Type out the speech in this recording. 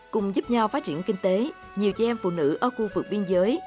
cùng giúp nhau phát triển kinh tế nhiều chị em phụ nữ ở khu vực biên giới